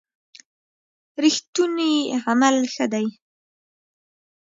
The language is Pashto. رښتوني عمل ښه دی.